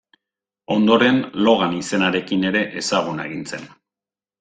Ondoren, Logan izenarekin ere ezaguna egin zen.